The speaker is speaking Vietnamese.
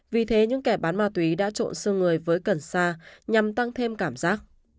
vì thế những kẻ bán ma túy đã trộn xương người với cần sa nhằm tăng thêm cảm giác